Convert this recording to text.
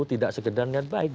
tidak sekedar niat baik